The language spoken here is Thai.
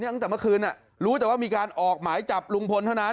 ตั้งแต่เมื่อคืนรู้แต่ว่ามีการออกหมายจับลุงพลเท่านั้น